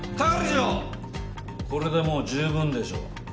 係長これでもう十分でしょ？